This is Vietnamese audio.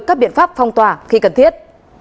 các biện pháp phong tỏa khi cần thiết